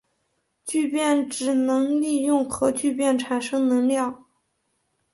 聚变能指利用核聚变产生能量。